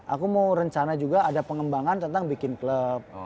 aku mau rencana juga ada pengembangan tentang bikin klub